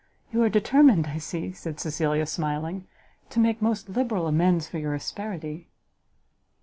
"You are determined, I see," said Cecilia, smiling, "to make most liberal amends for your asperity."